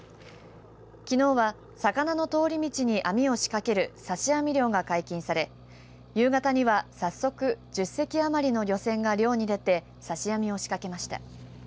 きのうは魚の通り道に網を仕掛ける刺し網漁が解禁され夕方には早速１０隻余りの漁船が漁に出て刺し網を仕掛けました。